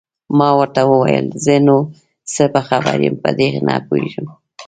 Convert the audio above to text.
ما ورته وویل: زه نو څه په خبر یم، په دې نه پوهېږم.